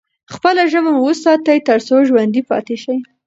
خپله ژبه مو وساتئ ترڅو ژوندي پاتې شئ.